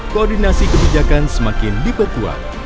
koordinasi kebijakan semakin diperkuat